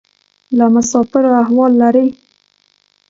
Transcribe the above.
له مسافرو احوال لرې؟